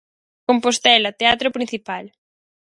Compostela, Teatro Principal.